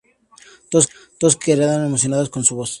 Todos quedaron emocionados con su voz.